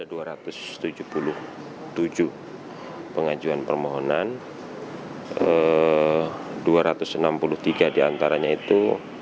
ada dua ratus tujuh puluh tujuh pengajuan permohonan dua ratus enam puluh tiga diantaranya itu